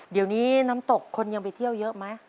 เดี๋ยวนี้น้ำตกคนยังไปเที่ยวเยอะไหม